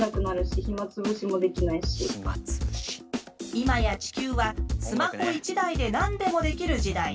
今や地球はスマホ１台で何でもできる時代。